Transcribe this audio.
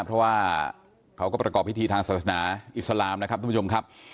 เพราะว่าเขาก็ประกอบพิธีทางศาสนาอิสลามนะครับทุกผู้ชมครับ